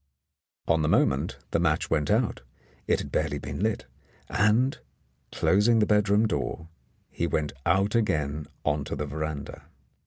On the moment the match went out— it had barely been lit — and, closing the bedroom door, he went out again on to the veranda.